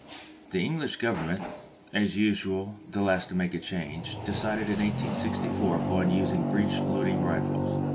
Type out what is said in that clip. The English Government, as usual the last to make a change, decided in 1864 upon using breech loading rifles.